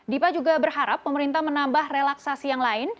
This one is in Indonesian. dipa juga berharap pemerintah menambah relaksasi yang lain